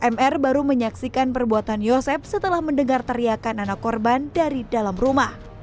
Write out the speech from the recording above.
mr baru menyaksikan perbuatan yosep setelah mendengar teriakan anak korban dari dalam rumah